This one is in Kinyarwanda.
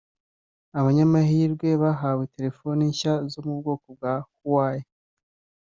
Abanyamahirwe bahawe telefone nshya zo mu bwoko bwa Huawei